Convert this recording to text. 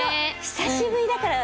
久しぶりだから。